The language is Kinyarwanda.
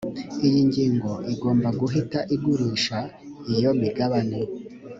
iyi ngingo igomba guhita igurisha iyo migabane